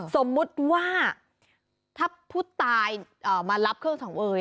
สมมุติว่าถ้าผู้ตายมารับเครื่องสังเวย